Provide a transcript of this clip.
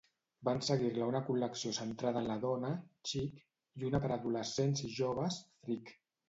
Van seguir-la una col·lecció centrada en la dona, Chic, i una per a adolescents i joves, Freek.